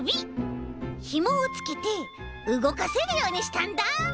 ひもをつけてうごかせるようにしたんだ。